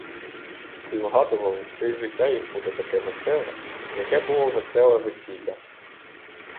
Всі вгадували, що й життя їх буде таке веселе, яке було веселе весілля.